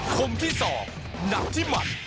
คมที่๒หนักที่หมัด